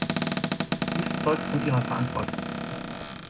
Dies zeugt von ihrer Verantwortung.